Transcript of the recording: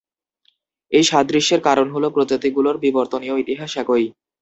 এই সাদৃশ্যের কারণ হল প্রজাতিগুলোর বিবর্তনীয় ইতিহাস একই।